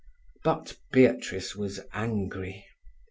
But Beatrice was angry.